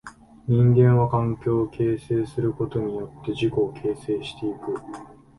人間は環境を形成することによって自己を形成してゆく。